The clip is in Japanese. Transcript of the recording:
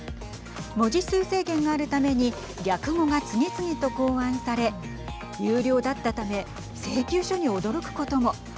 文字数制限があるために略語が次々と考案され有料だったため請求書に驚くことも。